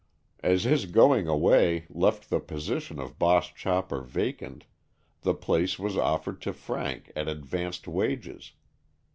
As his going away left the position of "boss chopper" vacant the place was offered to Frank at advanced wages.